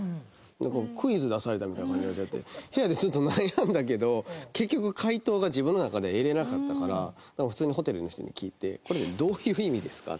なんかクイズ出されたみたいな感じになっちゃって部屋でちょっと悩んだけど結局解答が自分の中で得れなかったから普通にホテルの人に聞いて「これどういう意味ですか？」